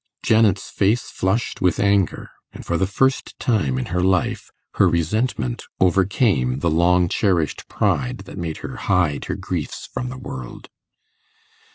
Janet's face flushed with anger, and for the first time in her life her resentment overcame the long cherished pride that made her hide her griefs from the world.